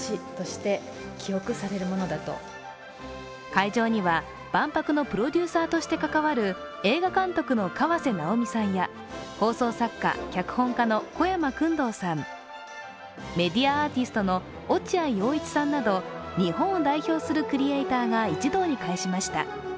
会場には万博のプロデューサーとして関わる映画監督の河瀬直美さんや放送作家・脚本家の小山薫堂さん、メディアアーティストの落合陽一さんなど日本を代表するクリエーターが一堂に会しました。